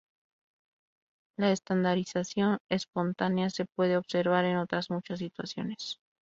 La estandarización espontánea se puede observar en otras muchas situaciones.